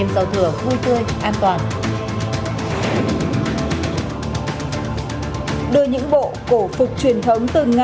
an khang thịnh vượng